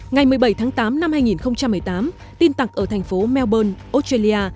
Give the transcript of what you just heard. ngày một mươi bảy tháng tám năm hai nghìn một mươi tám tin tặc ở thành phố melbourne australia